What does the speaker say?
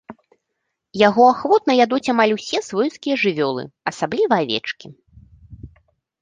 Яго ахвотна ядуць амаль усе свойскія жывёлы, асабліва авечкі.